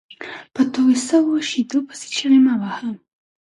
په توى سوو شېدو پيسي چیغي مه وهه!